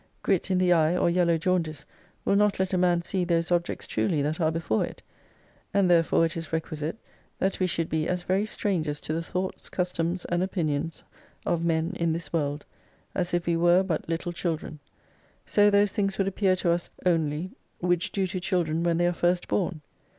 Grit in the eye or yellow jaundice will not let a man see those objects truly that are before it. And therefore it is requisite that we should be as very strangers to the thoughts, customs, and opinions of men in this world, as if we were but little children. So those things would appear to us only which do to children when they are first born.